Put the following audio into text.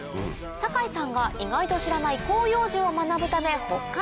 酒井さんが意外と知らない広葉樹を学ぶため北海道へ。